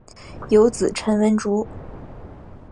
有子陈文烛。